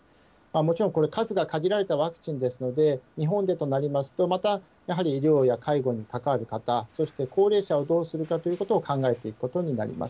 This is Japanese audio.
もちろんこれ、数が限られたワクチンですので、日本でとなりますと、またやはり医療や介護に関わる方、そして高齢者をどうするかということを考えていくことになります。